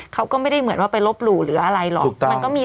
เขาก็ไม่ได้เหมือนว่าไปลบหลู่หรืออะไรหรอก